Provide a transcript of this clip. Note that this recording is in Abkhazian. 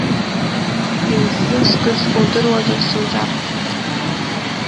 Иззыскыз удыруазар сузаԥхьоит.